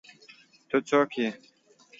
ته څوک ېې